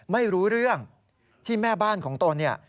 ไม่รู้เรื่องที่แม่บ้านของตนเนี่ย